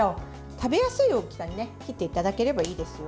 食べやすい大きさに切っていただければいいですよ。